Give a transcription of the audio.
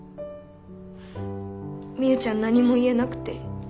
みゆちゃん何も言えなくて。